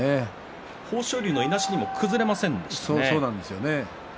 豊昇龍のいなしにも崩れませんでしたね。